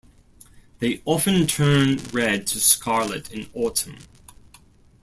They often turn red to scarlet in autumn.